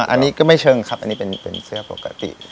อันนี้ก็ไม่เชิงครับอันนี้เป็นเสื้อปกติ